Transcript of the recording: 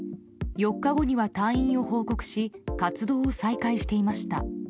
４日後には退院を報告し活動を再開していました。